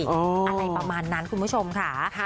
อะไรประมาณนั้นคุณผู้ชมค่ะ